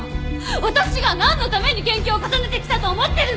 私がなんのために研究を重ねてきたと思ってるの！